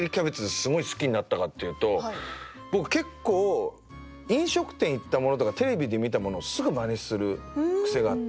すごい好きになったかっていうと僕結構飲食店行ったものとかテレビで見たものをすぐ真似する癖があって。